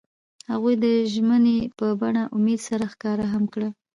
هغوی د ژمنې په بڼه امید سره ښکاره هم کړه.